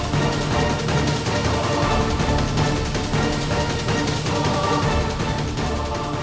kian santang aku akan mencarimu